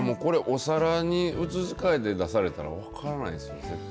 これお皿にに移し替えて出されたら分からないです。